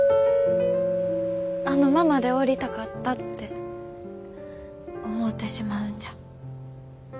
あのままでおりたかったって思うてしまうんじゃ。